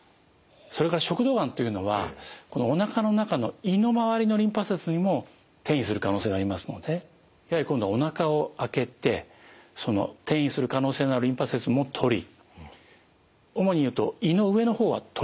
それから食道がんというのはこのおなかの中の胃の周りのリンパ節にも転移する可能性がありますのでやはり今度はおなかを開けて転移する可能性のあるリンパ節も取り主に言うと胃の上の方は取ります一緒に。